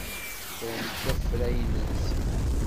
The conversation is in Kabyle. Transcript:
Ffrent afrayen-nsent.